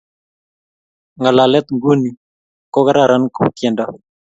ng'alalet ng'un ko kararan ku tiendo